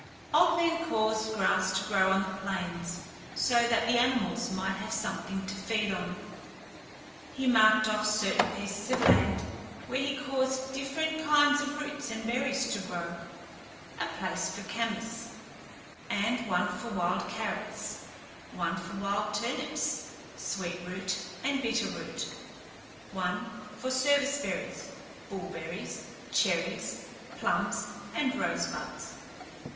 Old Man caused grass to grow on the plains, so that the animals might have something to feed on. He marked off certain pieces of land, where he caused different kinds of roots and berries to grow a place for camas; and one for wild carrots; one for wild turnips, sweet root and bitter root; one for service berries, bullberries, cherries, plums, and rosebuds.